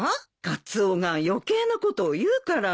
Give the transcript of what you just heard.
カツオが余計なことを言うから。